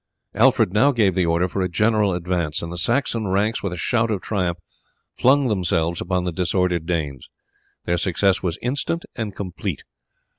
Alfred now gave the order for a general advance, and the Saxon ranks, with a shout of triumph, flung themselves upon the disordered Danes. Their success was instant and complete.